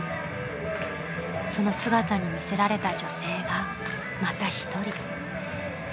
［その姿に魅せられた女性がまた一人］